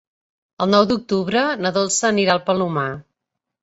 El nou d'octubre na Dolça anirà al Palomar.